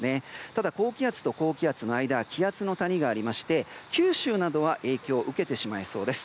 ただ、高気圧と高気圧の間は気圧の谷がありまして九州などは影響を受けてしまいそうです。